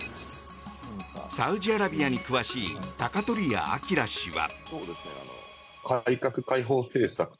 サウジアラビアに詳しい鷹鳥屋明氏は。